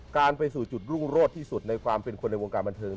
การไปสู่จุดรุ่งโรดที่สุดในความเป็นคนในวงการบันเทิง